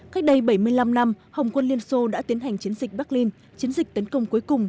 cách đây bảy mươi năm năm hồng quân liên xô đã tiến hành chiến dịch berlin chiến dịch tấn công cuối cùng